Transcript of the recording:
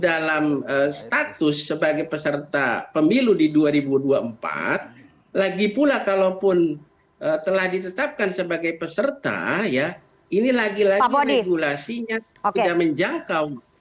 dalam status sebagai peserta pemilu di dua ribu dua puluh empat lagi pula kalaupun telah ditetapkan sebagai peserta ya ini lagi lagi regulasinya tidak menjangkau